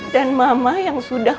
dan mama yang sudah